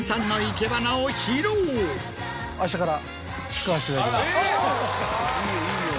明日から。